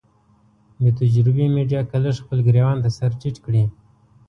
بې تجربې ميډيا که لږ خپل ګرېوان ته سر ټيټ کړي.